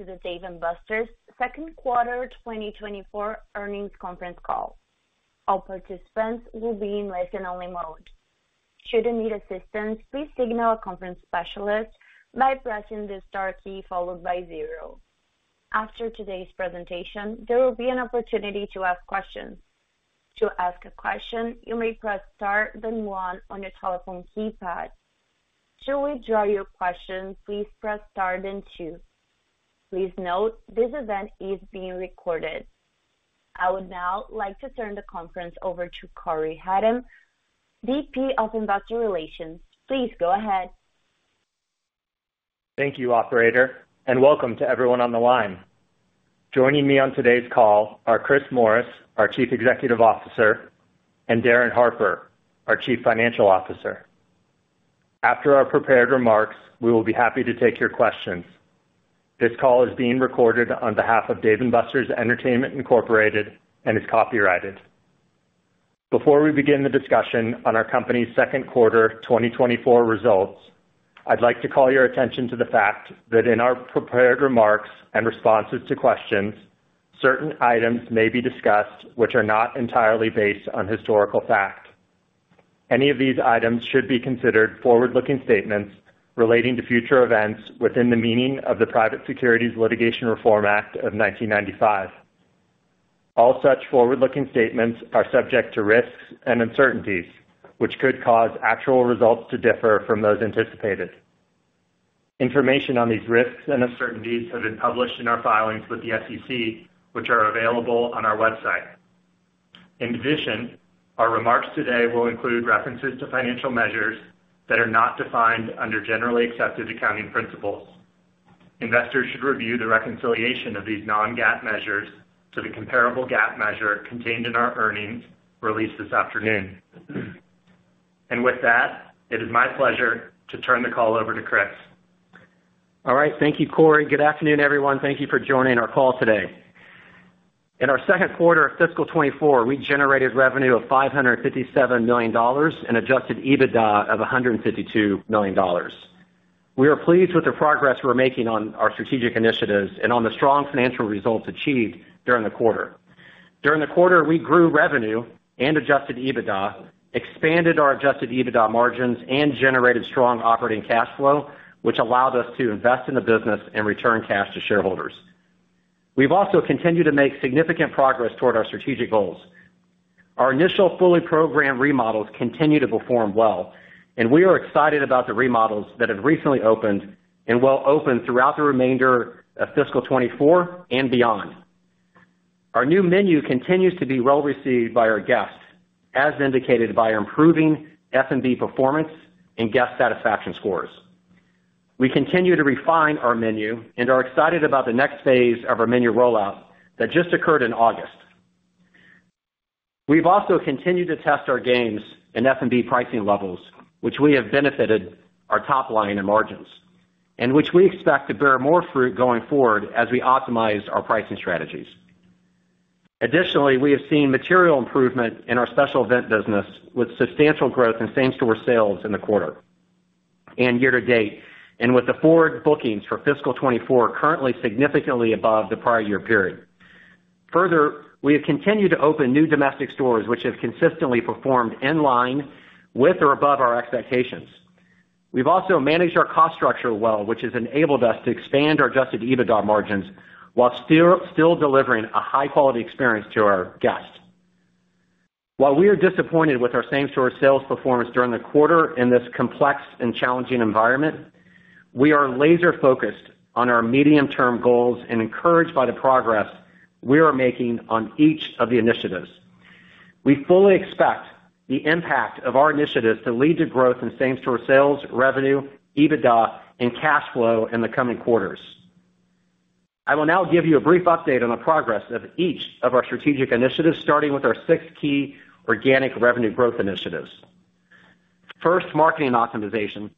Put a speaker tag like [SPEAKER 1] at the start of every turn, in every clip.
[SPEAKER 1] to the Dave & Buster's Q2 2024 earnings conference call. All participants will be in listen-only mode. Should you need assistance, please signal a conference specialist by pressing the star key followed by zero. After today's presentation, there will be an opportunity to ask questions. To ask a question, you may press Star, then One on your telephone keypad. To withdraw your question, please press Star, then Two. Please note, this event is being recorded. I would now like to turn the conference over to Cory Hatem, VP of Investor Relations. Please go ahead.
[SPEAKER 2] Thank you, operator, and welcome to everyone on the line. Joining me on today's call are Chris Morris, our Chief Executive Officer, and Darin Harper, our Chief Financial Officer. After our prepared remarks, we will be happy to take your questions. This call is being recorded on behalf of Dave & Buster's Entertainment, Incorporated, and is copyrighted. Before we begin the discussion on our company's Q2 2024 results, I'd like to call your attention to the fact that in our prepared remarks and responses to questions, certain items may be discussed which are not entirely based on historical fact. Any of these items should be considered forward-looking statements relating to future events within the meaning of the Private Securities Litigation Reform Act of 1995. All such forward-looking statements are subject to risks and uncertainties, which could cause actual results to differ from those anticipated. Information on these risks and uncertainties have been published in our filings with the SEC, which are available on our website. In addition, our remarks today will include references to financial measures that are not defined under Generally Accepted Accounting Principles. Investors should review the reconciliation of these non-GAAP measures to the comparable GAAP measure contained in our earnings released this afternoon. And with that, it is my pleasure to turn the call over to Chris.
[SPEAKER 3] All right. Thank you, Cory. Good afternoon, everyone. Thank you for joining our call today. In our Q2 of fiscal '24, we generated revenue of $557 million and Adjusted EBITDA of $152 million. We are pleased with the progress we're making on our strategic initiatives and on the strong financial results achieved during the quarter. During the quarter, we grew revenue and Adjusted EBITDA, expanded our Adjusted EBITDA margins, and generated strong operating cash flow, which allowed us to invest in the business and return cash to shareholders. We've also continued to make significant progress toward our strategic goals. Our initial fully programmed remodels continue to perform well, and we are excited about the remodels that have recently opened and will open throughout the remainder of fiscal '24 and beyond. Our new menu continues to be well received by our guests, as indicated by our improving F&B performance and guest satisfaction scores. We continue to refine our menu and are excited about the next phase of our menu rollout that just occurred in August. We've also continued to test our games and F&B pricing levels, which we have benefited our top line and margins, and which we expect to bear more fruit going forward as we optimize our pricing strategies. Additionally, we have seen material improvement in our special event business, with substantial growth in same-store sales in the quarter and year-to-date, and with the forward bookings for fiscal 2024 currently significantly above the prior year period. Further, we have continued to open new domestic stores, which have consistently performed in line with or above our expectations. We've also managed our cost structure well, which has enabled us to expand our Adjusted EBITDA margins while still delivering a high-quality experience to our guests. While we are disappointed with our same-store sales performance during the quarter in this complex and challenging environment, we are laser-focused on our medium-term goals and encouraged by the progress we are making on each of the initiatives. We fully expect the impact of our initiatives to lead to growth in same-store sales, revenue, EBITDA, and cash flow in the coming quarters. I will now give you a brief update on the progress of each of our strategic initiatives, starting with our six key organic revenue growth initiatives. First, marketing optimization.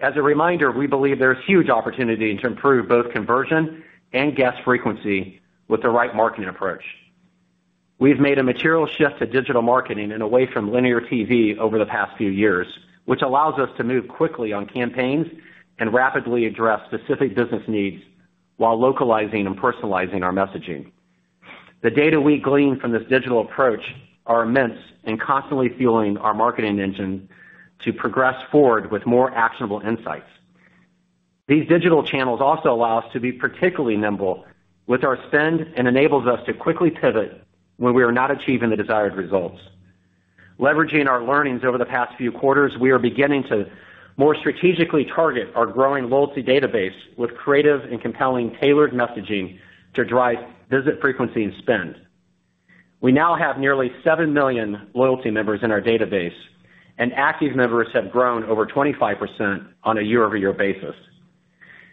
[SPEAKER 3] As a reminder, we believe there is huge opportunity to improve both conversion and guest frequency with the right marketing approach. We've made a material shift to digital marketing and away from linear TV over the past few years, which allows us to move quickly on campaigns and rapidly address specific business needs while localizing and personalizing our messaging. The data we glean from this digital approach are immense and constantly fueling our marketing engine to progress forward with more actionable insights. These digital channels also allow us to be particularly nimble with our spend and enables us to quickly pivot when we are not achieving the desired results. Leveraging our learnings over the past few quarters, we are beginning to more strategically target our growing loyalty database with creative and compelling tailored messaging to drive visit frequency and spend. We now have nearly seven million loyalty members in our database, and active members have grown over 25% on a year-over-year basis.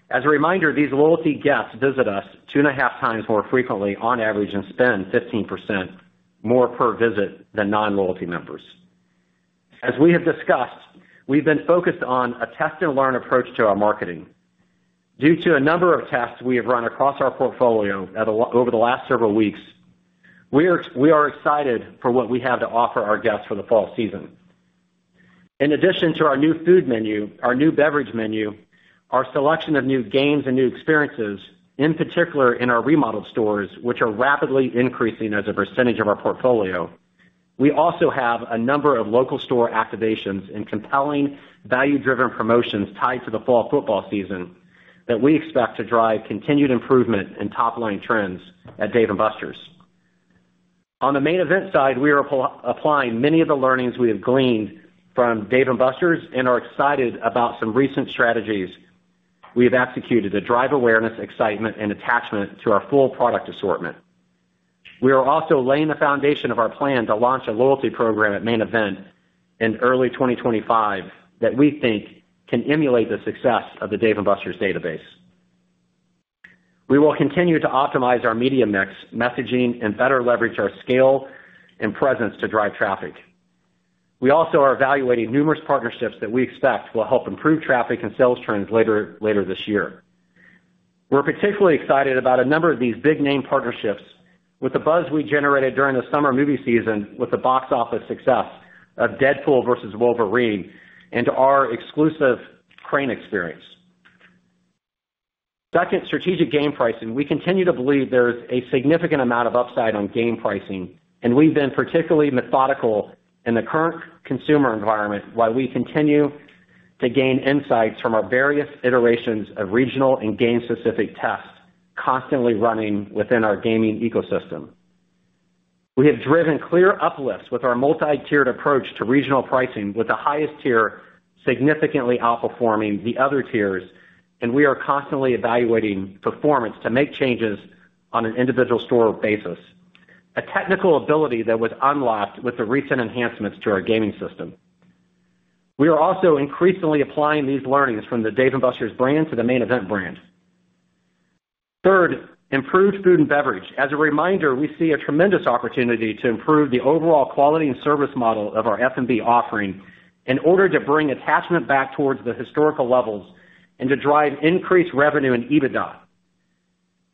[SPEAKER 3] As a reminder, these loyalty guests visit us two and a half times more frequently on average, and spend 15% more per visit than non-loyalty members. As we have discussed, we've been focused on a test-and-learn approach to our marketing. Due to a number of tests we have run across our portfolio over the last several weeks, we are excited for what we have to offer our guests for the fall season. In addition to our new food menu, our new beverage menu, our selection of new games and new experiences, in particular in our remodeled stores, which are rapidly increasing as a percentage of our portfolio, we also have a number of local store activations and compelling value-driven promotions tied to the fall football season, that we expect to drive continued improvement in top-line trends at Dave & Buster's. On the Main Event side, we are applying many of the learnings we have gleaned from Dave & Buster's, and are excited about some recent strategies we have executed to drive awareness, excitement, and attachment to our full product assortment. We are also laying the foundation of our plan to launch a loyalty program at Main Event in early 2025, that we think can emulate the success of the Dave & Buster's database. We will continue to optimize our media mix, messaging, and better leverage our scale and presence to drive traffic. We also are evaluating numerous partnerships that we expect will help improve traffic and sales trends later this year. We're particularly excited about a number of these big name partnerships with the buzz we generated during the summer movie season with the box office success of Deadpool & Wolverine and our exclusive Crane experience. Second, strategic game pricing. We continue to believe there's a significant amount of upside on game pricing, and we've been particularly methodical in the current consumer environment while we continue to gain insights from our various iterations of regional and game-specific tests constantly running within our gaming ecosystem. We have driven clear uplifts with our multi-tiered approach to regional pricing, with the highest tier significantly outperforming the other tiers, and we are constantly evaluating performance to make changes on an individual store basis, a technical ability that was unlocked with the recent enhancements to our gaming system. We are also increasingly applying these learnings from the Dave & Buster's brand to the Main Event brand. Third, improved food and beverage. As a reminder, we see a tremendous opportunity to improve the overall quality and service model of our F&B offering in order to bring attachment back towards the historical levels and to drive increased revenue and EBITDA.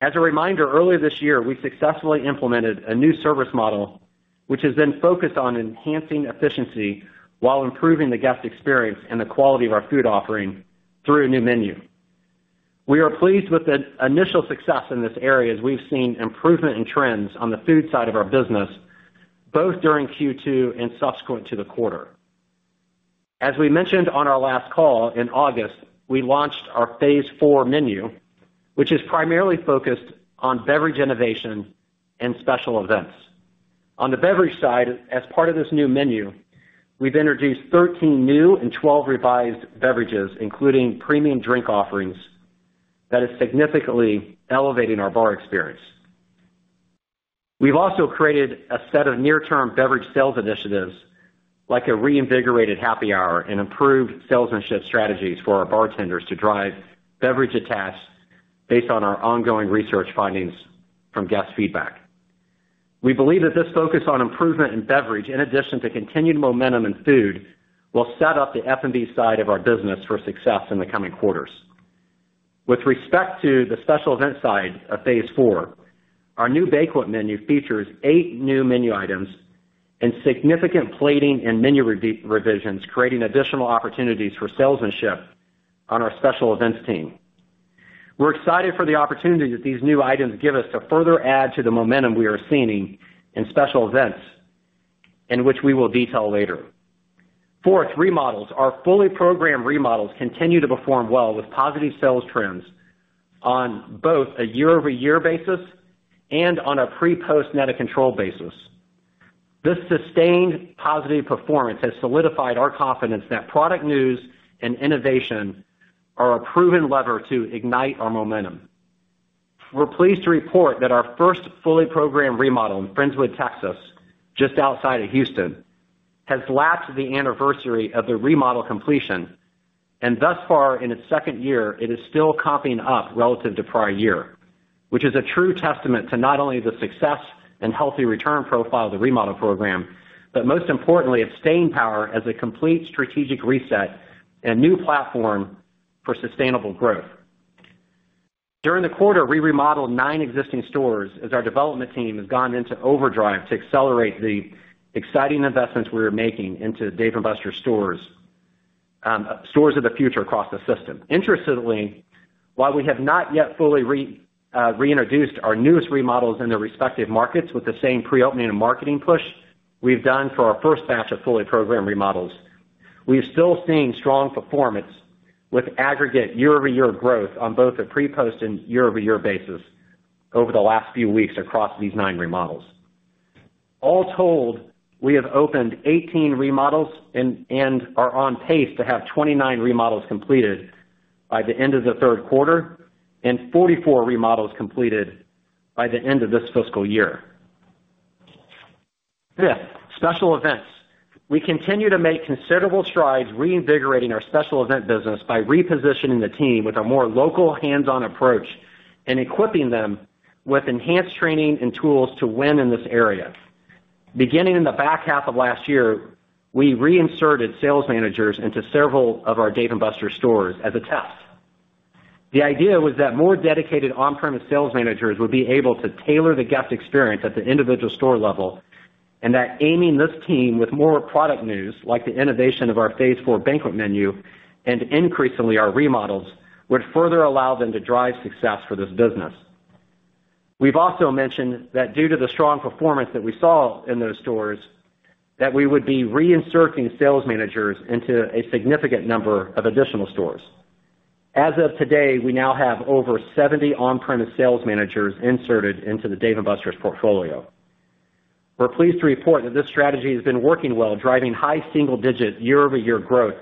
[SPEAKER 3] As a reminder, earlier this year, we successfully implemented a new service model, which has been focused on enhancing efficiency while improving the guest experience and the quality of our food offering through a new menu. We are pleased with the initial success in this area, as we've seen improvement in trends on the food side of our business, both during Q2 and subsequent to the quarter. As we mentioned on our last call in August, we launched our Phase Four menu, which is primarily focused on beverage innovation and special events. On the beverage side, as part of this new menu, we've introduced thirteen new and twelve revised beverages, including premium drink offerings, that is significantly elevating our bar experience. We've also created a set of near-term beverage sales initiatives, like a reinvigorated happy hour and improved salesmanship strategies for our bartenders to drive beverage attach based on our ongoing research findings from guest feedback. We believe that this focus on improvement in beverage, in addition to continued momentum in food, will set up the F&B side of our business for success in the coming quarters. With respect to the special event side of Phase Four, our new banquet menu features eight new menu items and significant plating and menu revisions, creating additional opportunities for salesmanship on our special events team. We're excited for the opportunity that these new items give us to further add to the momentum we are seeing in special events, and which we will detail later. Fourth, remodels. Our fully programmed remodels continue to perform well with positive sales trends on both a year-over-year basis and on a pre/post net control basis. This sustained positive performance has solidified our confidence that product news and innovation are a proven lever to ignite our momentum. We're pleased to report that our first fully programmed remodel in Friendswood, Texas, just outside of Houston, has lapped the anniversary of the remodel completion, and thus far, in its second year, it is still comping up relative to prior year, which is a true testament to not only the success and healthy return profile of the remodel program, but most importantly, its staying power as a complete strategic reset and new platform for sustainable growth. During the quarter, we remodeled nine existing stores as our development team has gone into overdrive to accelerate the exciting investments we are making into Dave & Buster's stores, stores of the future across the system. Interestingly, while we have not yet fully reintroduced our newest remodels in their respective markets with the same pre-opening and marketing push we've done for our first batch of fully programmed remodels, we've still seen strong performance with aggregate year-over-year growth on both a pre-post and year-over-year basis over the last few weeks across these nine remodels. All told, we have opened 18 remodels and are on pace to have 29 remodels completed by the end of Q3 and 44 remodels completed by the end of this fiscal year. Fifth, special events. We continue to make considerable strides, reinvigorating our special event business by repositioning the team with a more local, hands-on approach and equipping them with enhanced training and tools to win in this area. Beginning in H2 of last year, we reinserted sales managers into several of our Dave & Buster's stores as a test. The idea was that more dedicated on-premise sales managers would be able to tailor the guest experience at the individual store level, and that arming this team with more product news, like the innovation of our Phase Four banquet menu and increasingly our remodels, would further allow them to drive success for this business. We've also mentioned that due to the strong performance that we saw in those stores, that we would be reinserting sales managers into a significant number of additional stores. As of today, we now have over 70 on-premise sales managers inserted into the Dave & Buster's portfolio. We're pleased to report that this strategy has been working well, driving high single-digit year-over-year growth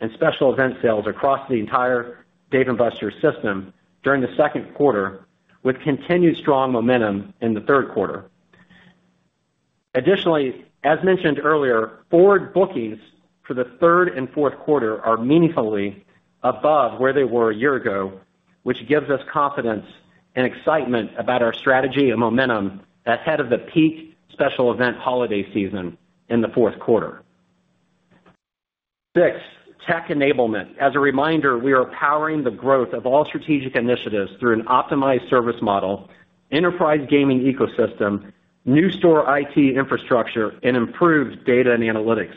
[SPEAKER 3] and special event sales across the entire Dave & Buster's system during Q2, with continued strong momentum in Q3. Additionally, as mentioned earlier, forward bookings for Q3 and Q4 are meaningfully above where they were a year ago, which gives us confidence and excitement about our strategy and momentum ahead of the peak special event holiday season in the fourth quarter. Six, tech enablement. As a reminder, we are powering the growth of all strategic initiatives through an optimized service model, enterprise gaming ecosystem, new store IT infrastructure, and improved data and analytics.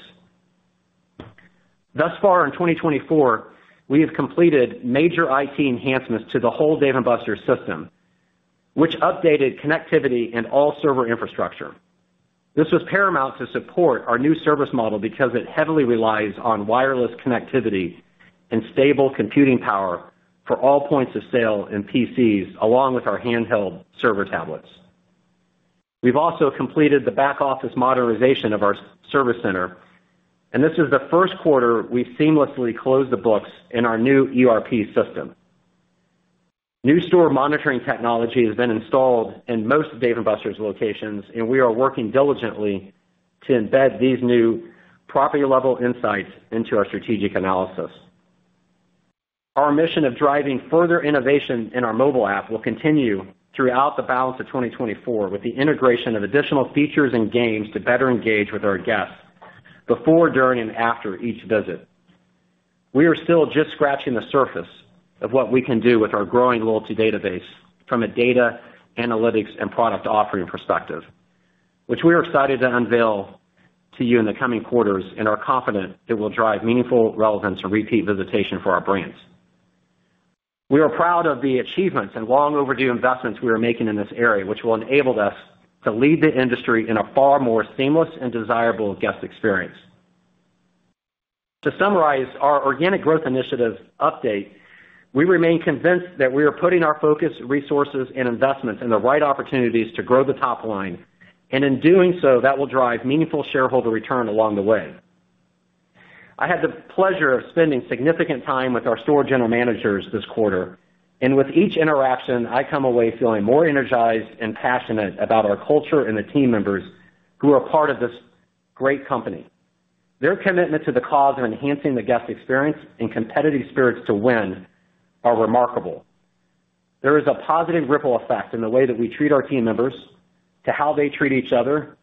[SPEAKER 3] Thus far in 2024, we have completed major IT enhancements to the whole Dave & Buster's system, which updated connectivity and all server infrastructure. This was paramount to support our new service model because it heavily relies on wireless connectivity and stable computing power for all points of sale and PCs, along with our handheld server tablets. We've also completed the back-office modernization of our service center, and this is Q1 we've seamlessly closed the books in our new ERP system. New store monitoring technology has been installed in most Dave & Buster's locations, and we are working diligently to embed these new property-level insights into our strategic analysis. Our mission of driving further innovation in our mobile app will continue throughout the balance of 2024, with the integration of additional features and games to better engage with our guests before, during, and after each visit. We are still just scratching the surface of what we can do with our growing loyalty database from a data, analytics, and product offering perspective, which we are excited to unveil to you in the coming quarters and are confident it will drive meaningful relevance and repeat visitation for our brands. We are proud of the achievements and long overdue investments we are making in this area, which will enable us to lead the industry in a far more seamless and desirable guest experience. To summarize our organic growth initiatives update, we remain convinced that we are putting our focus, resources, and investments in the right opportunities to grow the top line, and in doing so, that will drive meaningful shareholder return along the way. I had the pleasure of spending significant time with our store general managers this quarter, and with each interaction, I come away feeling more energized and passionate about our culture and the team members who are part of this great company. Their commitment to the cause of enhancing the guest experience and competitive spirits to win are remarkable. There is a positive ripple effect in the way that we treat our team members, to how they treat each other,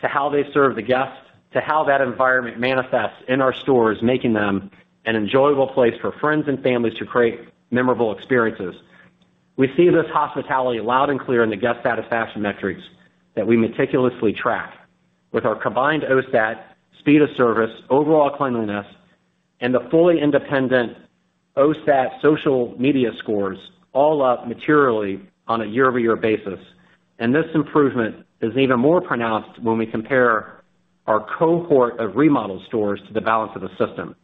[SPEAKER 3] to how they serve the guests, to how that environment manifests in our stores, making them an enjoyable place for friends and families to create memorable experiences. We see this hospitality loud and clear in the guest satisfaction metrics that we meticulously track with our combined OSAT, speed of service, overall cleanliness, and the fully independent OSAT social media scores all up materially on a year-over-year basis. And this improvement is even more pronounced when we compare our cohort of remodeled stores to the balance of the system.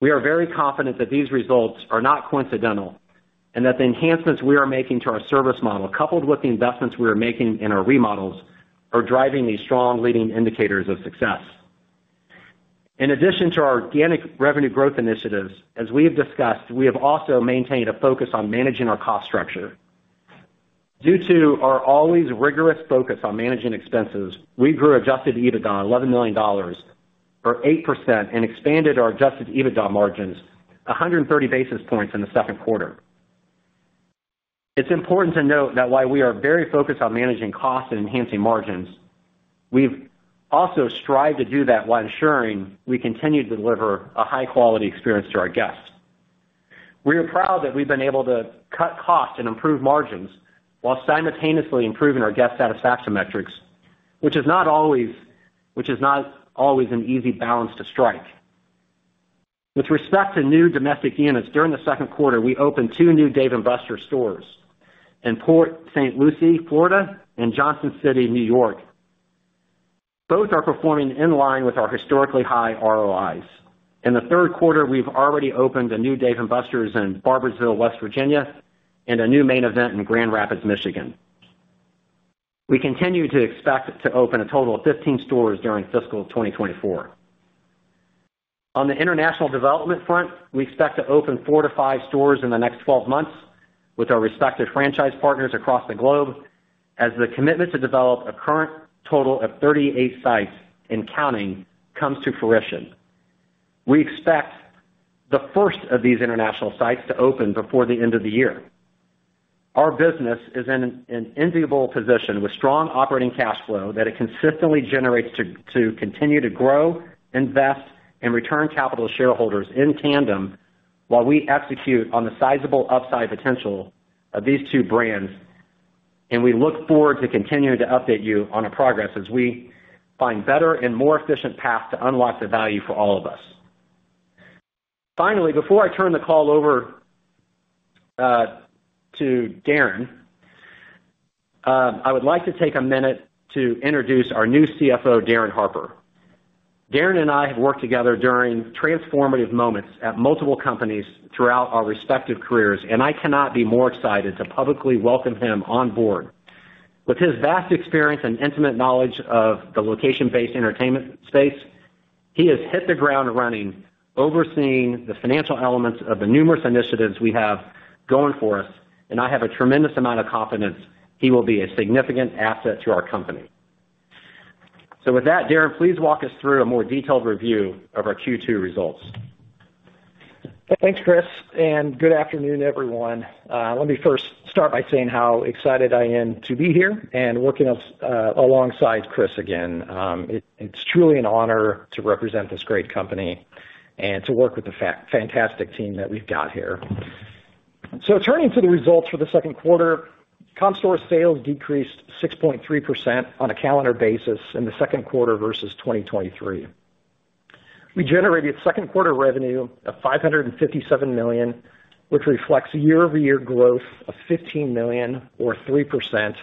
[SPEAKER 3] We are very confident that these results are not coincidental, and that the enhancements we are making to our service model, coupled with the investments we are making in our remodels, are driving these strong leading indicators of success. In addition to our organic revenue growth initiatives, as we have discussed, we have also maintained a focus on managing our cost structure. Due to our always rigorous focus on managing expenses, we grew Adjusted EBITDA $11 million, or 8%, and expanded our Adjusted EBITDA margins 130 basis points in the second quarter. It's important to note that while we are very focused on managing costs and enhancing margins, we've also strived to do that while ensuring we continue to deliver a high-quality experience to our guests. We are proud that we've been able to cut costs and improve margins while simultaneously improving our guest satisfaction metrics, which is not always an easy balance to strike. With respect to new domestic units, during Q2, we opened two new Dave & Buster's stores in Port St. Lucie, Florida, and Johnson City, New York. Both are performing in line with our historically high ROIs. In Q3, we've already opened a new Dave & Buster's in Barboursville, West Virginia, and a new Main Event in Grand Rapids, Michigan. We continue to expect to open a total of 15 stores during fiscal 2024. On the international development front, we expect to open four to five stores in the next 12 months with our respective franchise partners across the globe, as the commitment to develop a current total of 38 sites and counting comes to fruition. We expect the first of these international sites to open before the end of the year. Our business is in an enviable position with strong operating cash flow that it consistently generates to continue to grow, invest, and return capital to shareholders in tandem, while we execute on the sizable upside potential of these two brands. And we look forward to continuing to update you on our progress as we find better and more efficient paths to unlock the value for all of us. Finally, before I turn the call over to Darin, I would like to take a minute to introduce our new CFO, Darin Harper. Darin and I have worked together during transformative moments at multiple companies throughout our respective careers, and I cannot be more excited to publicly welcome him on board. With his vast experience and intimate knowledge of the location-based entertainment space, he has hit the ground running, overseeing the financial elements of the numerous initiatives we have going for us, and I have a tremendous amount of confidence he will be a significant asset to our company. So with that, Darin, please walk us through a more detailed review of our Q2 results.
[SPEAKER 4] Thanks, Chris, and good afternoon, everyone. Let me first start by saying how excited I am to be here and working alongside Chris again. It's truly an honor to represent this great company and to work with the fantastic team that we've got here. So turning to the results for Q2, comp store sales decreased 6.3% on a calendar basis in the second quarter versus 2023. We generated Q2 revenue of $557 million, which reflects a year-over-year growth of $15 million, or 3%,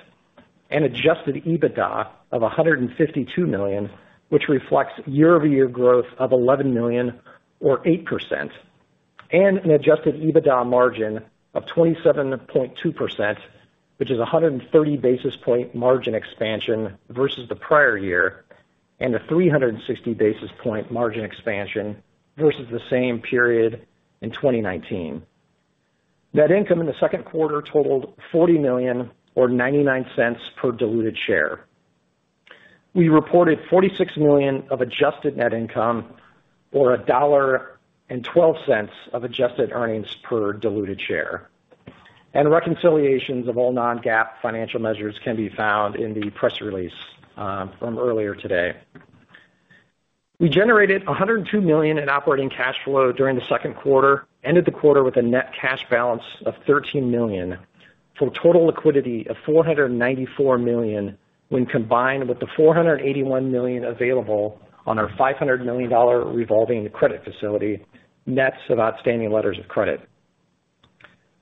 [SPEAKER 4] and adjusted EBITDA of $152 million, which reflects year-over-year growth of $11 million, or 8%, and an adjusted EBITDA margin of 27.2%, which is a 130 basis point margin expansion versus the prior year, and a 360 basis point margin expansion versus the same period in 2019. Net income in Q2 totaled $40 million, or $0.99 per diluted share. We reported $46 million of adjusted net income, or $1.12 of adjusted earnings per diluted share. Reconciliations of all non-GAAP financial measures can be found in the press release from earlier today. We generated $102 million in operating cash flow during Q2, ended the quarter with a net cash balance of $13 million, for a total liquidity of $494 million, when combined with the $481 million available on our $500 million revolving credit facility, net of outstanding letters of credit.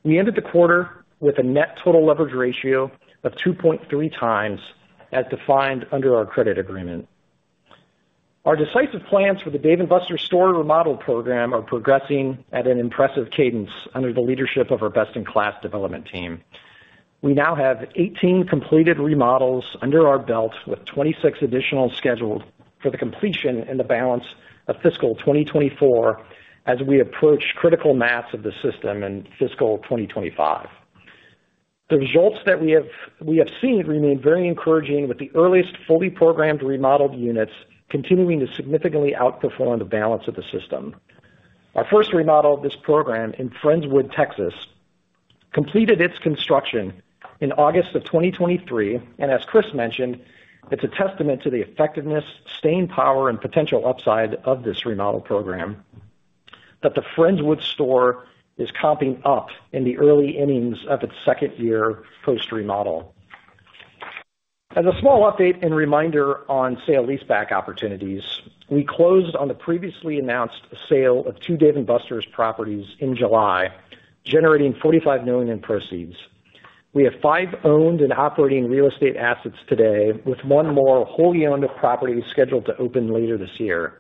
[SPEAKER 4] We ended the quarter with a net total leverage ratio of 2.3x, as defined under our credit agreement. Our decisive plans for the Dave & Buster's store remodel program are progressing at an impressive cadence under the leadership of our best-in-class development team. We now have 18 completed remodels under our belt, with 26 additional scheduled for the completion in the balance of fiscal 2024, as we approach critical mass of the system in fiscal 2025. The results that we have, we have seen remain very encouraging, with the earliest fully programmed remodeled units continuing to significantly outperform the balance of the system. Our first remodel of this program in Friendswood, Texas, completed its construction in August of 2023, and as Chris mentioned, it's a testament to the effectiveness, staying power, and potential upside of this remodel program that the Friendswood store is comping up in the early innings of its second year post-remodel. As a small update and reminder on sale-leaseback opportunities, we closed on the previously announced sale of two Dave & Buster's properties in July, generating $45 million in proceeds. We have five owned and operating real estate assets today, with one more wholly owned property scheduled to open later this year.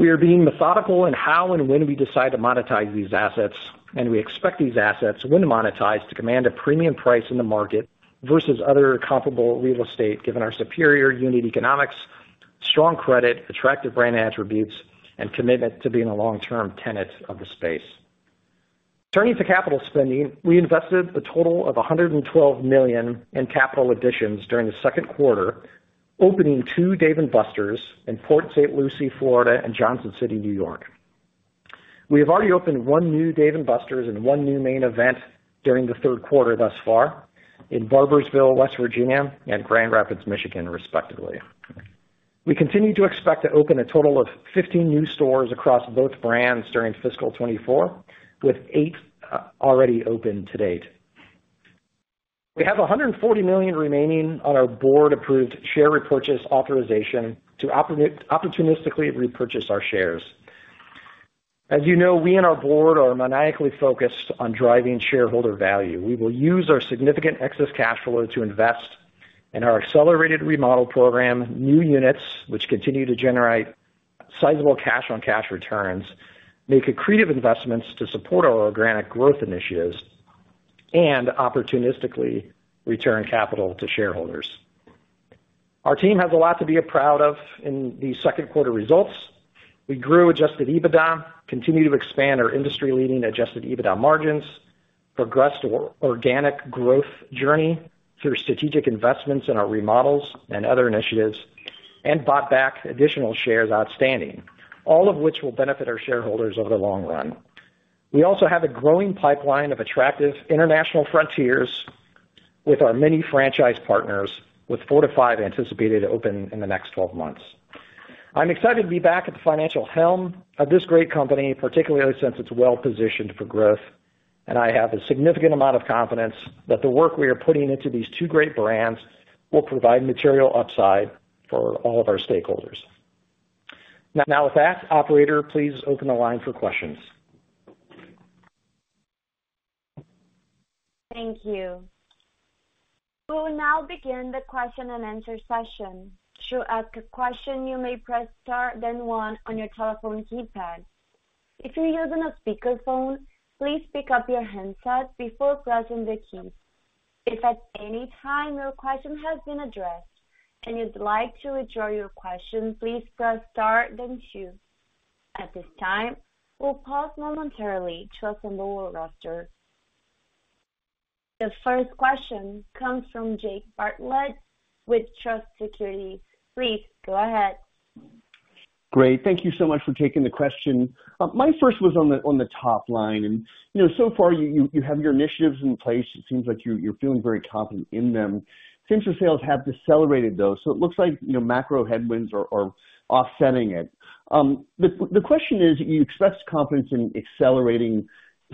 [SPEAKER 4] We are being methodical in how and when we decide to monetize these assets, and we expect these assets, when monetized, to command a premium price in the market versus other comparable real estate, given our superior unit economics, strong credit, attractive brand attributes, and commitment to being a long-term tenant of the space. Turning to capital spending, we invested a total of $112 million in capital additions during Q2, opening two Dave & Buster's in Port St. Lucie, Florida, and Johnson City, New York. We have already opened one new Dave & Buster's and one new Main Event during the third quarter thus far in Barboursville, West Virginia, and Grand Rapids, Michigan, respectively. We continue to expect to open a total of 15 new stores across both brands during fiscal 2024, with 8 already open to date. We have $140 million remaining on our board-approved share repurchase authorization to opportunistically repurchase our shares. As you know, we and our board are maniacally focused on driving shareholder value. We will use our significant excess cash flow to invest in our accelerated remodel program, new units, which continue to generate sizable cash-on-cash returns, make accretive investments to support our organic growth initiatives, and opportunistically return capital to shareholders. Our team has a lot to be proud of in the second quarter results. We grew Adjusted EBITDA, continued to expand our industry-leading Adjusted EBITDA margins, progressed our organic growth journey through strategic investments in our remodels and other initiatives and bought back additional shares outstanding, all of which will benefit our shareholders over the long run. We also have a growing pipeline of attractive international frontiers with our many franchise partners, with four to five anticipated to open in the next twelve months. I'm excited to be back at the financial helm of this great company, particularly since it's well positioned for growth, and I have a significant amount of confidence that the work we are putting into these two great brands will provide material upside for all of our stakeholders. Now, with that, operator, please open the line for questions.
[SPEAKER 1] Thank you. We will now begin the question and answer session. To ask a question, you may press Star, then One on your telephone keypad. If you're using a speakerphone, please pick up your handset before pressing the key. If at any time your question has been addressed and you'd like to withdraw your question, please press Star then Two. At this time, we'll pause momentarily to assemble a roster. The first question comes from Jake Bartlett with Truist Securities. Please go ahead.
[SPEAKER 5] Great. Thank you so much for taking the question. My first was on the top line, and, you know, so far you have your initiatives in place. It seems like you're feeling very confident in them. Same-store sales have decelerated, though, so it looks like, you know, macro headwinds are offsetting it. The question is: you expressed confidence in accelerating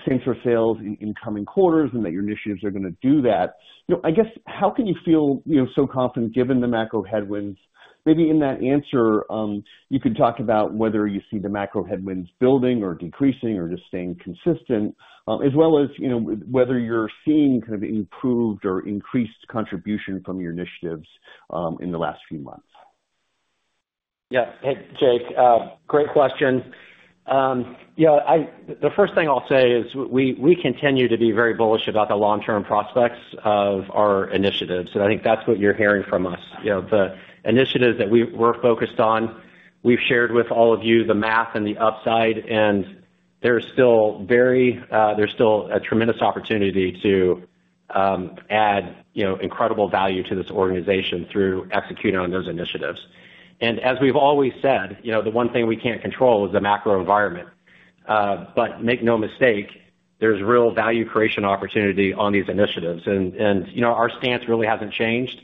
[SPEAKER 5] same-store sales in coming quarters and that your initiatives are going to do that. You know, I guess, how can you feel, you know, so confident given the macro headwinds? Maybe in that answer, you could talk about whether you see the macro headwinds building or decreasing or just staying consistent, as well as, you know, whether you're seeing kind of improved or increased contribution from your initiatives in the last few months.
[SPEAKER 3] Yeah. Hey, Jake, great question. Yeah, the first thing I'll say is we continue to be very bullish about the long-term prospects of our initiatives, and I think that's what you're hearing from us. You know, the initiatives that we're focused on, we've shared with all of you the math and the upside, and there's still a tremendous opportunity to add, you know, incredible value to this organization through executing on those initiatives. And as we've always said, you know, the one thing we can't control is the macro environment. But make no mistake, there's real value creation opportunity on these initiatives. And, you know, our stance really hasn't changed.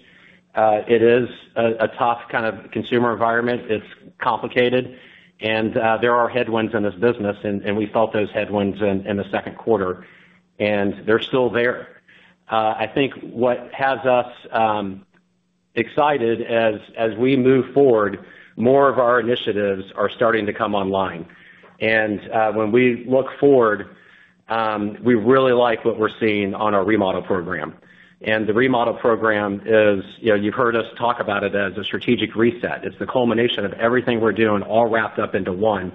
[SPEAKER 3] It is a tough kind of consumer environment. It's complicated, and there are headwinds in this business, and we felt those headwinds in Q2, and they're still there. I think what has us excited as we move forward, more of our initiatives are starting to come online. When we look forward, we really like what we're seeing on our remodel program. The remodel program is, you know, you've heard us talk about it as a strategic reset. It's the culmination of everything we're doing all wrapped up into one,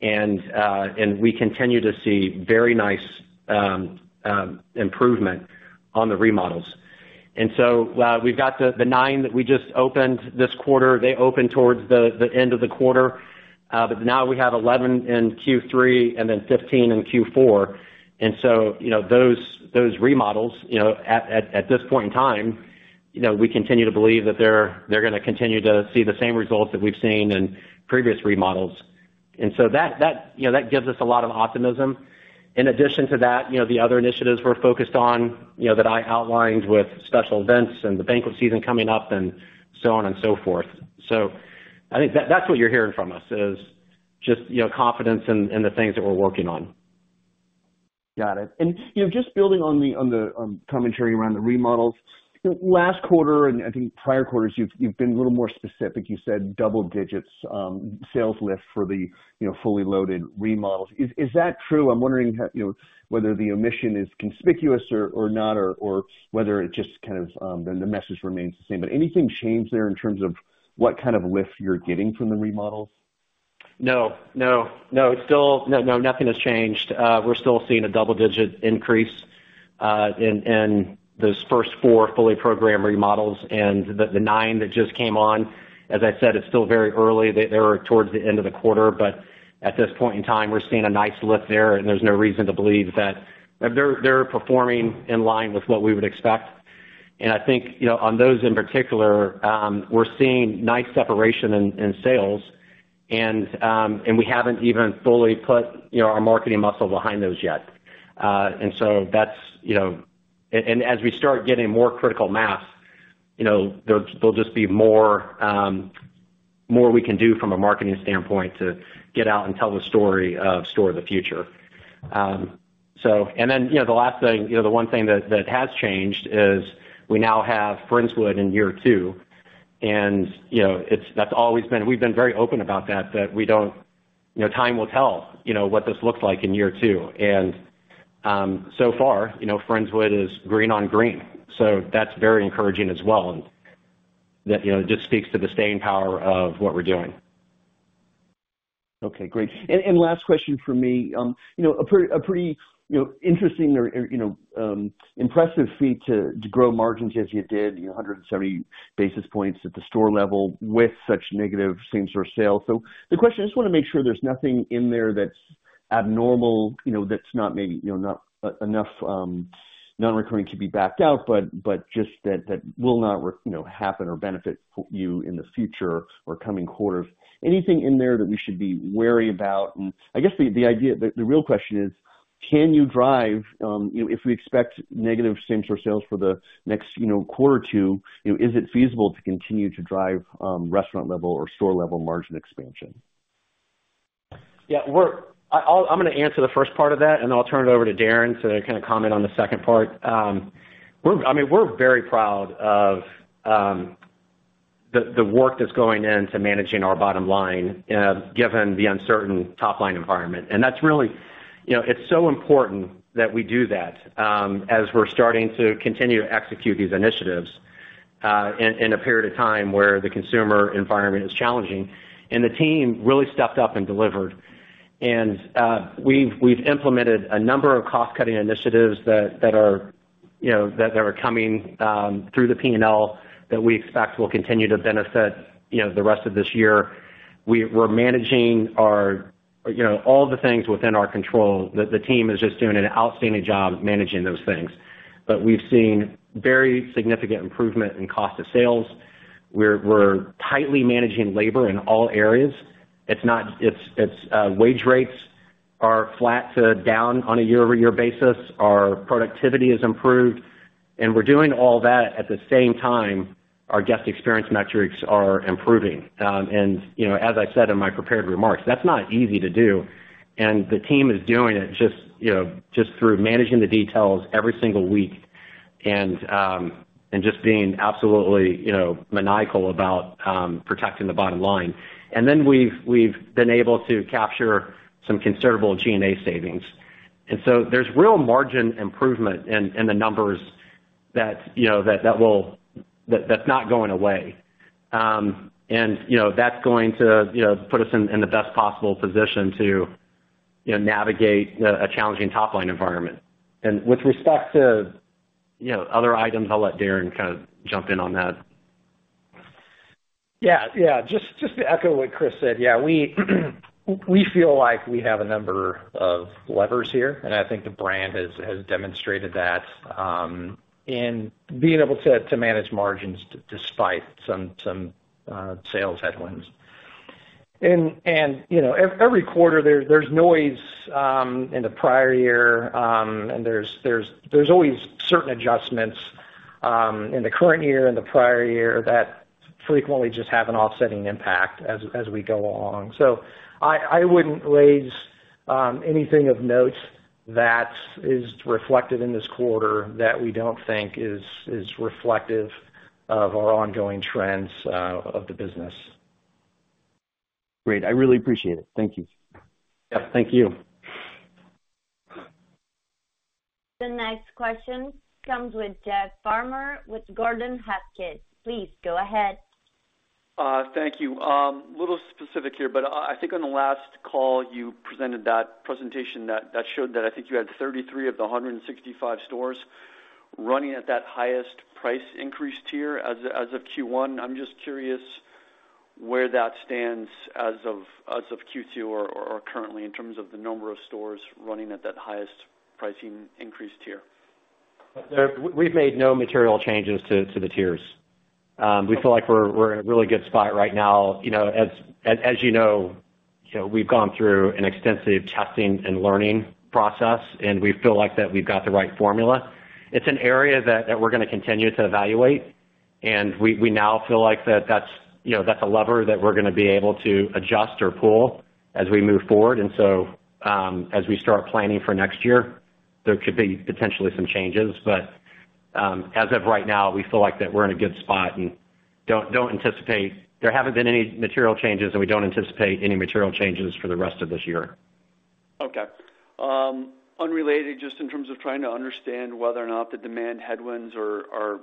[SPEAKER 3] and we continue to see very nice improvement on the remodels. We've got the nine that we just opened this quarter. They opened towards the end of the quarter, but now we have 11 in Q3 and then 15 in Q4. And so, you know, those remodels, you know, at this point in time, you know, we continue to believe that they're going to continue to see the same results that we've seen in previous remodels. And so that gives us a lot of optimism. In addition to that, you know, the other initiatives we're focused on, you know, that I outlined with special events and the banquet season coming up and so on and so forth. So I think that's what you're hearing from us, is just, you know, confidence in the things that we're working on.
[SPEAKER 5] Got it. And, you know, just building on the commentary around the remodels. Last quarter, and I think prior quarters, you've been a little more specific. You said double-digits sales lift for the, you know, fully loaded remodels. Is that true? I'm wondering, you know, whether the omission is conspicuous or not, or whether it just kind of the message remains the same. But anything changed there in terms of what kind of lift you're getting from the remodels?
[SPEAKER 3] No, no. No, it's still, no, no, nothing has changed. We're still seeing a double-digit increase in those first four fully programmed remodels and the nine that just came on. As I said, it's still very early. They were towards the end of the quarter, but at this point in time, we're seeing a nice lift there, and there's no reason to believe that. They're performing in line with what we would expect. And I think, you know, on those in particular, we're seeing nice separation in sales, and we haven't even fully put, you know, our marketing muscle behind those yet. And so that's, you know And as we start getting more critical mass, you know, there'll just be more, more we can do from a marketing standpoint to get out and tell the story of Store of the Future. So and then, you know, the last thing, you know, the one thing that has changed is we now have Friendswood in year two. And, you know, it's - that's always been, we've been very open about that, that we don't, you know, time will tell, you know, what this looks like in year two. And, so far, you know, Friendswood is green on green, so that's very encouraging as well, and that, you know, just speaks to the staying power of what we're doing.
[SPEAKER 5] Okay, great. And last question for me. You know, a pretty interesting or impressive feat to grow margins as you did, you know, 170 basis points at the store level with such negative same-store sales. So the question, I just want to make sure there's nothing in there that's abnormal, you know, that's not maybe not enough non-recurring to be backed out, but just that will not repeat, you know, happen or benefit you in the future or coming quarters. Anything in there that we should be wary about? I guess the idea, the real question is: Can you drive, you know, if we expect negative same-store sales for the next, you know, quarter or two, you know, is it feasible to continue to drive, restaurant-level or store-level margin expansion?
[SPEAKER 3] Yeah, we're. I'll, I'm gonna answer the first part of that, and then I'll turn it over to Darin to kind of comment on the second part. We're. I mean, we're very proud of the work that's going into managing our bottom line, given the uncertain top-line environment. And that's really. You know, it's so important that we do that, as we're starting to continue to execute these initiatives, in a period of time where the consumer environment is challenging, and the team really stepped up and delivered. And, we've implemented a number of cost-cutting initiatives that are, you know, that are coming through the P&L, that we expect will continue to benefit, you know, the rest of this year. We're managing our, you know, all the things within our control. The team is just doing an outstanding job managing those things, but we've seen very significant improvement in cost of sales. We're tightly managing labor in all areas. It's not. It's wage rates are flat to down on a year-over-year basis. Our productivity has improved, and we're doing all that at the same time our guest experience metrics are improving, and, you know, as I said in my prepared remarks, that's not easy to do, and the team is doing it just, you know, just through managing the details every single week and just being absolutely, you know, maniacal about protecting the bottom line, and then we've been able to capture some considerable G&A savings, and so there's real margin improvement in the numbers that, you know, that will. That, that's not going away. And you know, that's going to you know put us in the best possible position to you know navigate a challenging top-line environment. And with respect to you know other items, I'll let Darren kind of jump in on that.
[SPEAKER 4] Yeah. Yeah, just, just to echo what Chris said, yeah, we, we feel like we have a number of levers here, and I think the brand has, has demonstrated that, in being able to, to manage margins despite some sales headwinds. And, and, you know, every quarter there, there's noise, in the prior year, and there's, there's always certain adjustments, in the current year and the prior year that frequently just have an offsetting impact as, as we go along. So I, I wouldn't raise anything of note that is reflected in this quarter that we don't think is, is reflective of our ongoing trends, of the business.
[SPEAKER 5] Great. I really appreciate it. Thank you.
[SPEAKER 4] Yep, thank you.
[SPEAKER 1] The next question comes with Jeff Farmer, with Gordon Haskett. Please go ahead.
[SPEAKER 6] Thank you. A little specific here, but I think on the last call, you presented that presentation that showed that I think you had 33 of the 165 stores running at that highest price increase tier as of Q1. I'm just curious where that stands as of Q2 or currently, in terms of the number of stores running at that highest pricing increase tier.
[SPEAKER 3] We've made no material changes to the tiers. We feel like we're in a really good spot right now. You know, as you know, we've gone through an extensive testing and learning process, and we feel like we've got the right formula. It's an area that we're gonna continue to evaluate, and we now feel like that's a lever that we're gonna be able to adjust or pull as we move forward. And so, as we start planning for next year, there could be potentially some changes. But as of right now, we feel like we're in a good spot and don't anticipate. There haven't been any material changes, and we don't anticipate any material changes for the rest of this year.
[SPEAKER 6] Okay. Unrelated, just in terms of trying to understand whether or not the demand headwinds are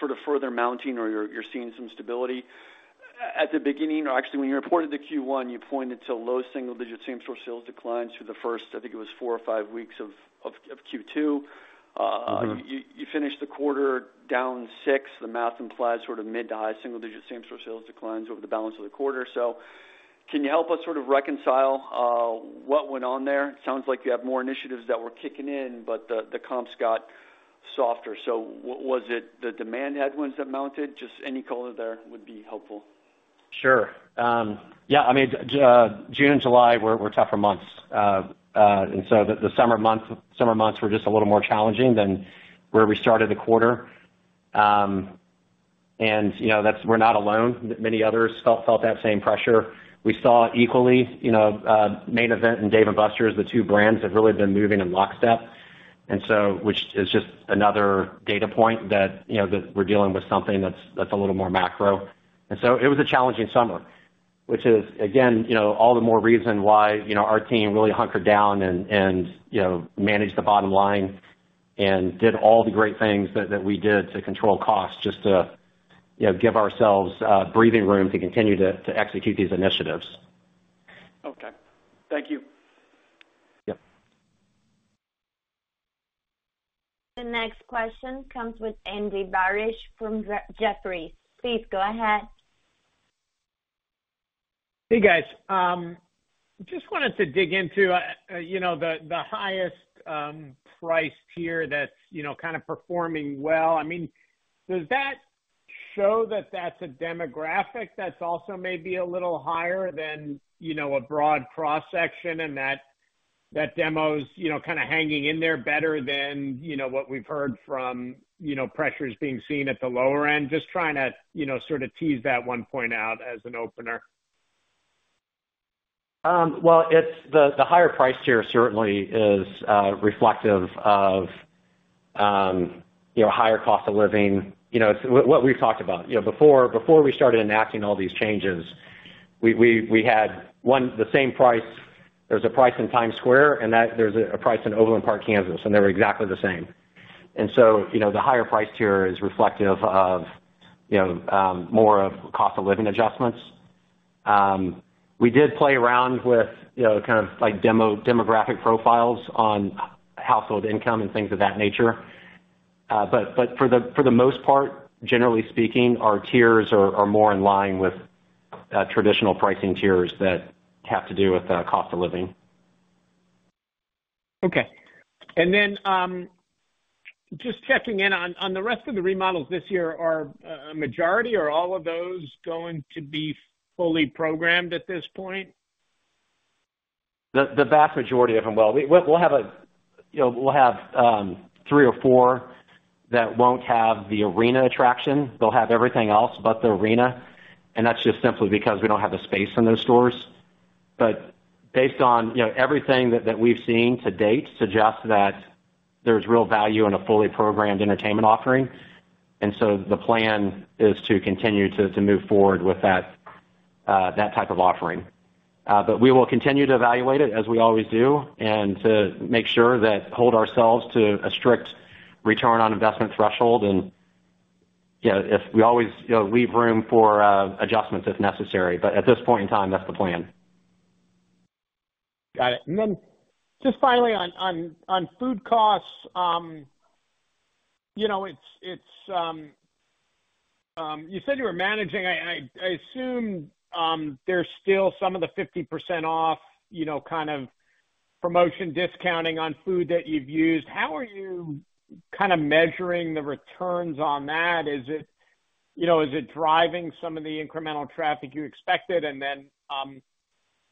[SPEAKER 6] sort of further mounting or you're seeing some stability. At the beginning, or actually, when you reported the Q1, you pointed to low single-digit same-store sales declines through the first, I think it was four/five weeks of Q2.
[SPEAKER 3] Mm-hmm.
[SPEAKER 6] You finished the quarter down six. The math implies sort of mid- to high-single-digit same-store sales declines over the balance of the quarter. So can you help us sort of reconcile what went on there? It sounds like you have more initiatives that were kicking in, but the comps got softer. So was it the demand headwinds that mounted? Just any color there would be helpful.
[SPEAKER 3] Sure. Yeah, I mean, June and July were tougher months. And so the summer months were just a little more challenging than where we started the quarter. And, you know, that's-- we're not alone. Many others felt that same pressure. We saw equally, you know, Main Event and Dave & Buster's, the two brands, have really been moving in lockstep. And so, which is just another data point that, you know, that we're dealing with something that's a little more macro. And so it was a challenging summer, which is, again, you know, all the more reason why, you know, our team really hunkered down and you know, managed the bottom line and did all the great things that we did to control costs, just to, you know, give ourselves breathing room to continue to execute these initiatives.
[SPEAKER 6] Okay. Thank you.
[SPEAKER 3] Yep.
[SPEAKER 1] The next question comes with Andy Barish from Jefferies. Please go ahead.
[SPEAKER 7] Hey, guys. Just wanted to dig into, you know, the highest price tier that's, you know, kind of performing well. I mean, does that show that that's a demographic that's also maybe a little higher than, you know, a broad cross-section, and that demos, you know, kinda hanging in there better than, you know, what we've heard from, you know, pressures being seen at the lower end? Just trying to, you know, sort of tease that one point out as an opener.
[SPEAKER 3] Well, it's the higher price tier certainly is reflective of you know, higher cost of living. You know, it's what we've talked about. You know, before we started enacting all these changes, we had one, the same price. There's a price in Times Square, and that, there's a price in Overland Park, Kansas, and they were exactly the same. And so, you know, the higher price tier is reflective of you know, more of cost of living adjustments. We did play around with you know, kind of like demographic profiles on household income and things of that nature. But for the most part, generally speaking, our tiers are more in line with traditional pricing tiers that have to do with cost of living.
[SPEAKER 7] Okay, and then, just checking in on the rest of the remodels this year, are a majority or all of those going to be fully programmed at this point?
[SPEAKER 3] The vast majority of them. Well, we'll have, you know, three or four that won't have the arena attraction. They'll have everything else but the arena, and that's just simply because we don't have the space in those stores. But based on, you know, everything that we've seen to date suggests that there's real value in a fully programmed entertainment offering. And so the plan is to continue to move forward with that type of offering. But we will continue to evaluate it, as we always do, and to make sure that hold ourselves to a strict return on investment threshold. And, you know, if we always leave room for adjustments if necessary, but at this point in time, that's the plan.
[SPEAKER 7] Got it. And then just finally on food costs, you know, it's you said you were managing. I assume there's still some of the 50% off, you know, kind of promotion, discounting on food that you've used. How are you kinda measuring the returns on that? Is it, you know, is it driving some of the incremental traffic you expected? And then,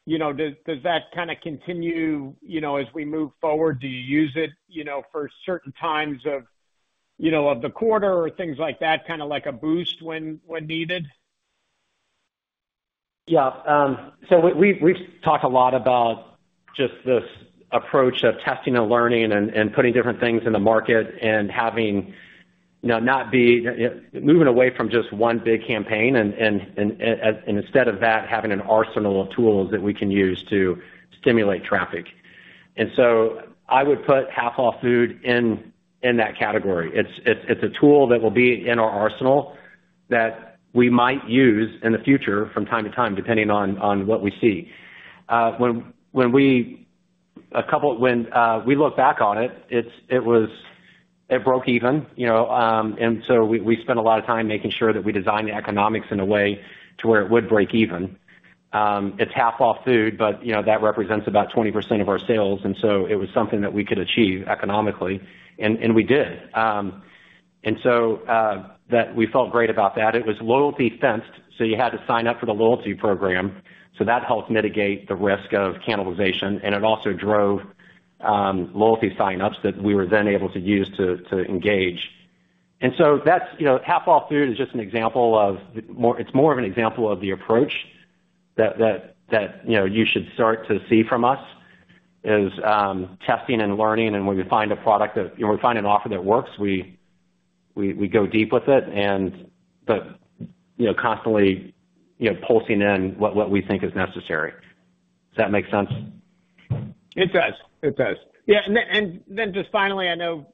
[SPEAKER 7] you know, does that kinda continue, you know, as we move forward? Do you use it, you know, for certain times of, you know, of the quarter or things like that, kinda like a boost when needed?
[SPEAKER 3] Yeah, so we've talked a lot about just this approach of testing and learning and putting different things in the market and having, you know, not be moving away from just one big campaign and instead of that, having an arsenal of tools that we can use to stimulate traffic. And so I would put half off food in that category. It's a tool that will be in our arsenal that we might use in the future from time to time, depending on what we see. When we look back on it, it was. It broke even, you know, and so we spent a lot of time making sure that we designed the economics in a way to where it would break even. It's half off food, but, you know, that represents about 20% of our sales, and so it was something that we could achieve economically, and we did. And so that we felt great about that. It was loyalty fenced, so you had to sign up for the loyalty program. So that helped mitigate the risk of cannibalization, and it also drove loyalty sign-ups that we were then able to use to engage. And so that's, you know, half off food is just an example of more, it's more of an example of the approach that, you know, you should start to see from us, is testing and learning. And when we find a product that, when we find an offer that works, we go deep with it but you know constantly you know pulsing in what we think is necessary. Does that make sense?
[SPEAKER 7] It does. It does. Yeah, and then, and then just finally, I know,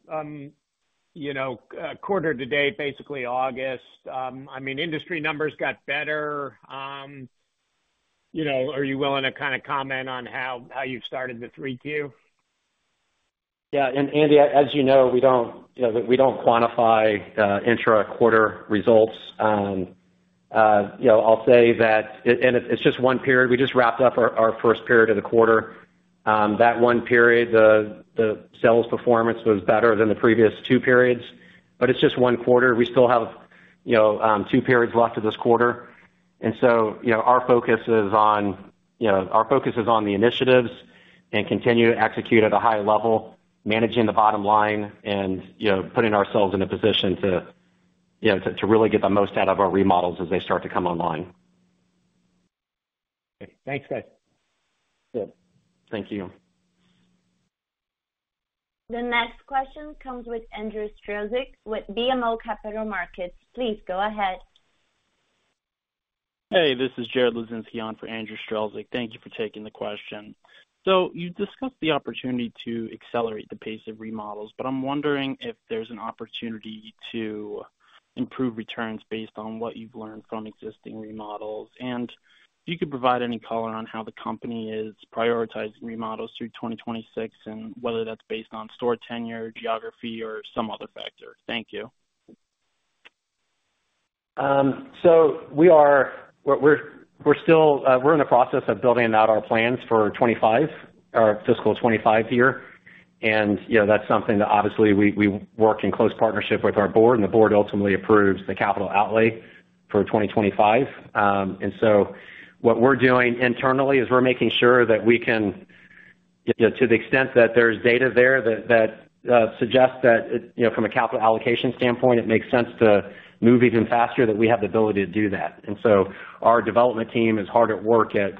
[SPEAKER 7] you know, quarter to date, basically August, I mean, industry numbers got better. You know, are you willing to kinda comment on how, how you've started the three Q?
[SPEAKER 3] Yeah, and Andy, as you know, we don't, you know, we don't quantify intra-quarter results. You know, I'll say that, and it's just one period. We just wrapped up our first period of the quarter. That one period, the sales performance was better than the previous two periods, but it's just one quarter. We still have, you know, two periods left of this quarter, and so, you know, our focus is on the initiatives and continue to execute at a high level, managing the bottom line and, you know, putting ourselves in a position to really get the most out of our remodels as they start to come online.
[SPEAKER 7] Okay. Thanks, guys.
[SPEAKER 3] Yeah. Thank you.
[SPEAKER 1] The next question comes with Andrew Strzelczyk with BMO Capital Markets. Please go ahead.
[SPEAKER 8] Hey, this is Jared Hludzinski on for Andrew Strzelczyk. Thank you for taking the question. So you discussed the opportunity to accelerate the pace of remodels, but I'm wondering if there's an opportunity to improve returns based on what you've learned from existing remodels? And if you could provide any color on how the company is prioritizing remodels through 2026, and whether that's based on store tenure, geography, or some other factor. Thank you.
[SPEAKER 3] So we're still in the process of building out our plans for 2025, our fiscal 2025 year. And, you know, that's something that, obviously, we work in close partnership with our board, and the board ultimately approves the capital outlay for 2025. And so what we're doing internally is we're making sure that we can, you know, to the extent that there's data there that suggests that, you know, from a capital allocation standpoint, it makes sense to move even faster, that we have the ability to do that. And so our development team is hard at work at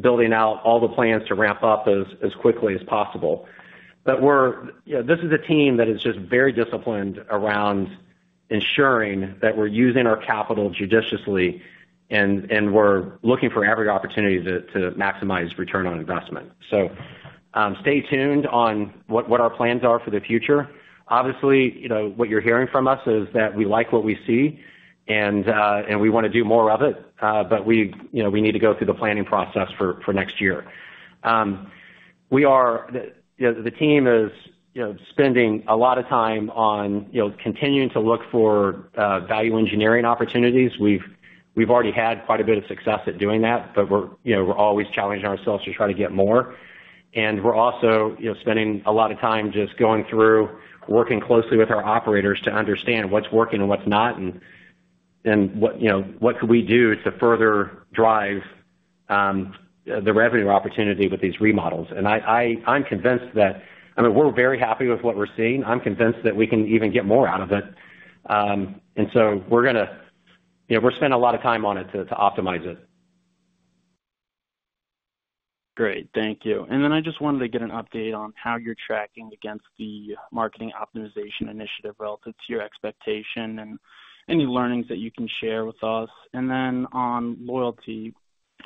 [SPEAKER 3] building out all the plans to ramp up as quickly as possible. But we're. You know, this is a team that is just very disciplined around ensuring that we're using our capital judiciously, and we're looking for every opportunity to maximize return on investment. So, stay tuned on what our plans are for the future. Obviously, you know, what you're hearing from us is that we like what we see, and we wanna do more of it, but we, you know, we need to go through the planning process for next year. We are, you know, the team is, you know, spending a lot of time on, you know, continuing to look for value engineering opportunities. We've already had quite a bit of success at doing that, but we're, you know, we're always challenging ourselves to try to get more. And we're also, you know, spending a lot of time just going through, working closely with our operators to understand what's working and what's not, and what, you know, what could we do to further drive the revenue opportunity with these remodels? And I, I'm convinced that. I mean, we're very happy with what we're seeing. I'm convinced that we can even get more out of it. And so we're gonna, you know, we're spending a lot of time on it to optimize it.
[SPEAKER 8] Great. Thank you. And then I just wanted to get an update on how you're tracking against the marketing optimization initiative relative to your expectation and any learnings that you can share with us. And then on loyalty,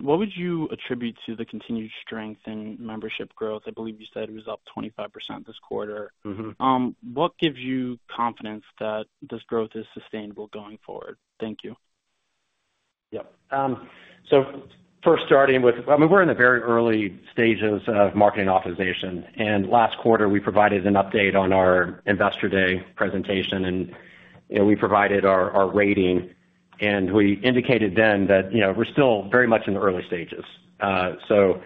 [SPEAKER 8] what would you attribute to the continued strength in membership growth? I believe you said it was up 25% this quarter.
[SPEAKER 3] Mm-hmm.
[SPEAKER 8] What gives you confidence that this growth is sustainable going forward? Thank you.
[SPEAKER 3] Yep. So I mean, we're in the very early stages of marketing optimization, and last quarter, we provided an update on our Investor Day presentation, and you know, we provided our rating, and we indicated then that you know, we're still very much in the early stages. So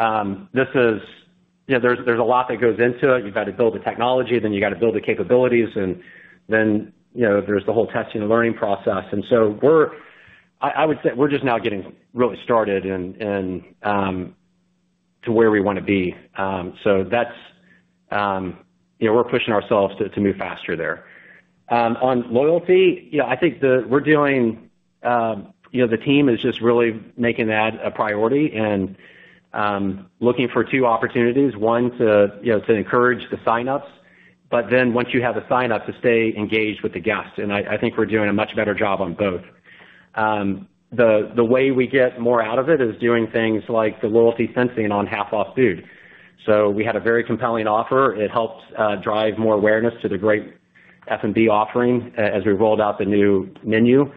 [SPEAKER 3] you know, there's a lot that goes into it. You've got to build the technology, then you've got to build the capabilities, and then you know, there's the whole testing and learning process. And so I would say we're just now getting really started and to where we wanna be. So that's you know, we're pushing ourselves to move faster there. On loyalty, yeah, I think the, we're doing, you know, the team is just really making that a priority and looking for two opportunities: one, to, you know, to encourage the signups, but then once you have a signup, to stay engaged with the guest, and I think we're doing a much better job on both. The way we get more out of it is doing things like the loyalty centering on half off food. So we had a very compelling offer. It helped drive more awareness to the great F&B offering as we rolled out the new menu,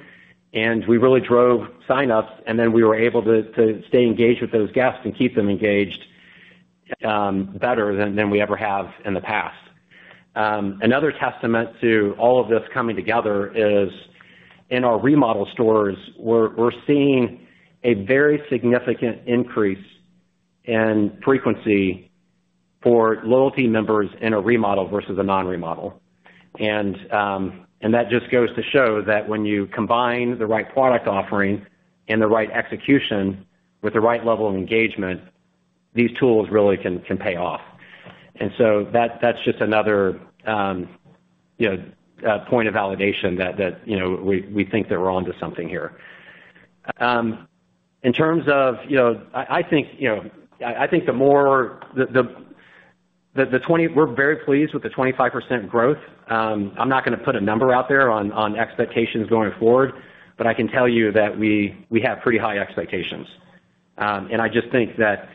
[SPEAKER 3] and we really drove signups, and then we were able to stay engaged with those guests and keep them engaged better than we ever have in the past. Another testament to all of this coming together is, in our remodel stores, we're seeing a very significant increase in frequency for loyalty members in a remodel versus a non-remodel. And that just goes to show that when you combine the right product offering and the right execution with the right level of engagement, these tools really can pay off. And so that's just another, you know, point of validation that we think that we're onto something here. In terms of, you know, I think the more, the twenty, we're very pleased with the 25% growth. I'm not gonna put a number out there on expectations going forward, but I can tell you that we have pretty high expectations. And I just think that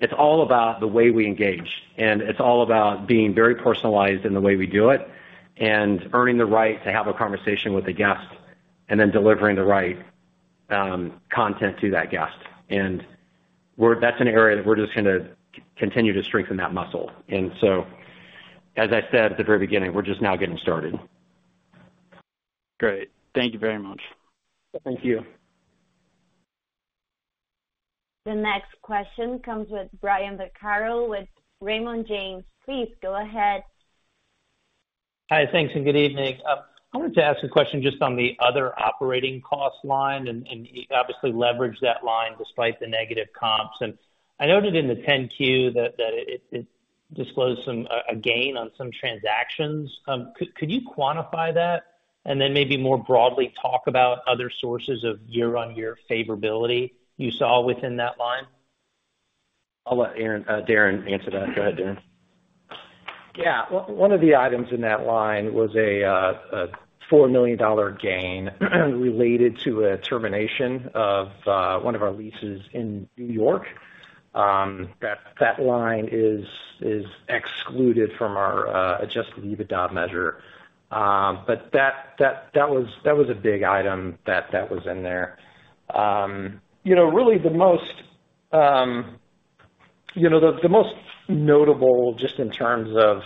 [SPEAKER 3] it's all about the way we engage, and it's all about being very personalized in the way we do it, and earning the right to have a conversation with the guest, and then delivering the right content to that guest. That's an area that we're just gonna continue to strengthen that muscle. And so, as I said at the very beginning, we're just now getting started.
[SPEAKER 8] Great. Thank you very much.
[SPEAKER 3] Thank you.
[SPEAKER 1] The next question comes with Brian Vaccaro, with Raymond James. Please go ahead.
[SPEAKER 9] Hi, thanks, and good evening. I wanted to ask a question just on the other operating cost line, and you obviously leveraged that line despite the negative comps. And I noted in the 10-Q that it disclosed some a gain on some transactions. Could you quantify that? And then maybe more broadly, talk about other sources of year-on-year favorability you saw within that line.
[SPEAKER 3] I'll let Darren answer that. Go ahead, Darren.
[SPEAKER 4] Yeah. One of the items in that line was a $4 million gain, related to a termination of one of our leases in New York, that line is excluded from our adjusted EBITDA measure. But that was a big item that was in there. You know, really the most notable, just in terms of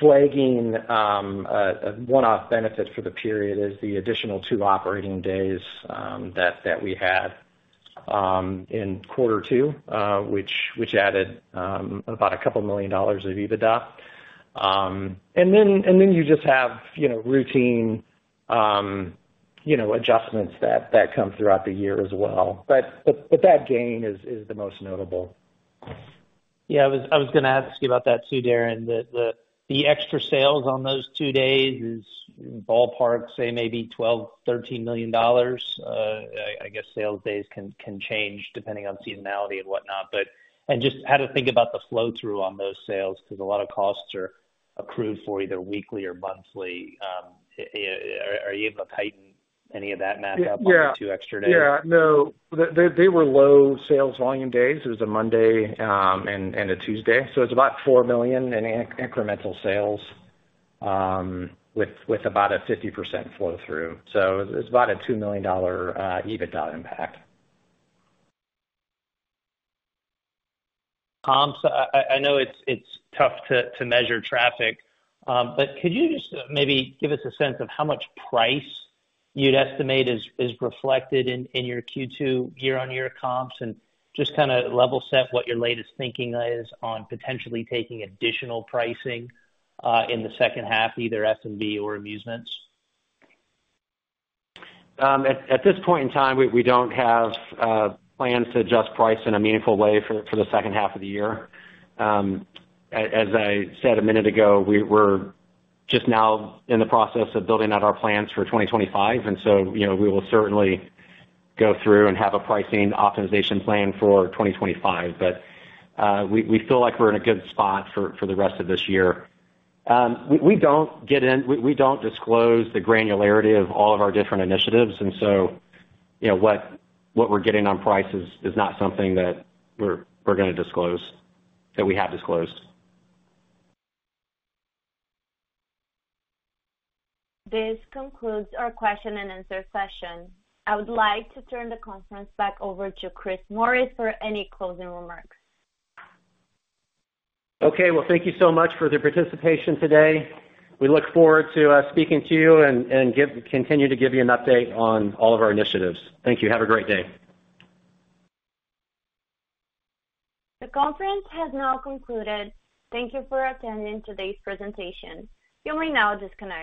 [SPEAKER 4] flagging, a one-off benefit for the period, is the additional two operating days that we had in Q2, which added about $2 million of EBITDA. And then you just have, you know, routine adjustments that come throughout the year as well. But that gain is the most notable.
[SPEAKER 9] Yeah, I was gonna ask you about that too, Darren. The extra sales on those two days is ballpark, say maybe $12-$13 million. I guess sales days can change depending on seasonality and whatnot, but and just how to think about the flow-through on those sales, because a lot of costs are accrued for either weekly or monthly. Are you able to tighten any of that math up on the two extra days?
[SPEAKER 4] Yeah. Yeah. No, they were low sales volume days. It was a Monday and a Tuesday, so it's about $4 million in incremental sales with about 50% flow-through. So it's about a $2 million EBITDA impact.
[SPEAKER 9] So I know it's tough to measure traffic, but could you just maybe give us a sense of how much price you'd estimate is reflected in your Q2 year-on-year comps? And just kinda level set what your latest thinking is on potentially taking additional pricing in H2, either F&B or amusements.
[SPEAKER 4] At this point in time, we don't have plans to adjust price in a meaningful way for the second half of the year. As I said a minute ago, we're just now in the process of building out our plans for 2025, and so, you know, we will certainly go through and have a pricing optimization plan for 2025. But we feel like we're in a good spot for the rest of this year. We don't disclose the granularity of all of our different initiatives, and so, you know, what we're getting on price is not something that we're gonna disclose, that we have disclosed.
[SPEAKER 1] This concludes our question and answer session. I would like to turn the conference back over to Chris Morris for any closing remarks.
[SPEAKER 3] Okay. Well, thank you so much for the participation today. We look forward to speaking to you and continue to give you an update on all of our initiatives. Thank you. Have a great day!
[SPEAKER 1] The conference has now concluded. Thank you for attending today's presentation. You may now disconnect.